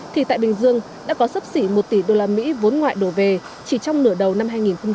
thì tại bình dương đã có sấp xỉ một tỷ usd vốn ngoại đổ về chỉ trong nửa đầu năm hai nghìn hai mươi ba